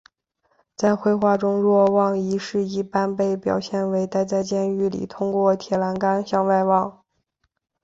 在绘画中若望一世一般被表现为待在监狱里通过铁栏杆向外望。